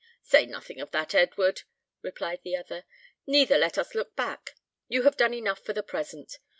"Say nothing of that Edward," replied the other; "neither let us look back. You have done enough for the present.